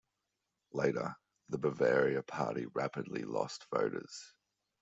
Later, the Bavaria Party rapidly lost voters.